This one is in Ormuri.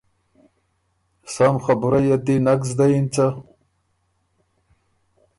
سم خبُرئ ت دی نک زدۀ یِن څۀ؟